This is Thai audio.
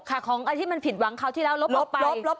ค่ะของที่มันผิดหวังเค้าที่เล่าลบออกไป